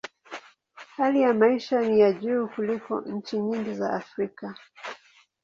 Hali ya maisha ni ya juu kuliko nchi nyingi za Afrika.